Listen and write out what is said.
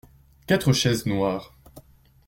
Quatre chaises noires.